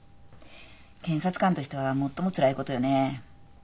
検察官としては最もつらいことよねえ。